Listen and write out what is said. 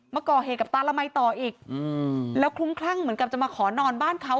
มาก่อเหตุกับตาละมัยต่ออีกแล้วคลุ้มคลั่งเหมือนกับจะมาขอนอนบ้านเขา